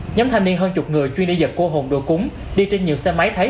nhóm thanh niên hơn chục người chuyên đi giật cô hồn đồ cúng đi trên nhiều xe máy thấy